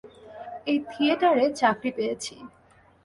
এই থিয়েটারে চাকরি পেয়েছি।